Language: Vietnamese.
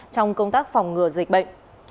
trong công tác phòng ngừa dịch bệnh